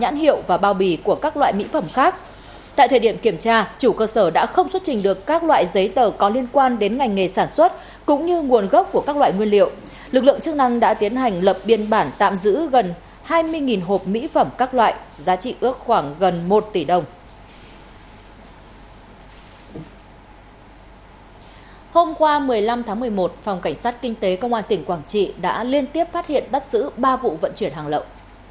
hôm qua một mươi năm tháng một mươi một phòng cảnh sát kinh tế công an tỉnh quảng trị đã liên tiếp phát hiện bắt xử ba vụ vận chuyển hàng lậu